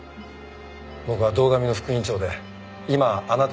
僕は堂上の副院長で今はあなたの助手です。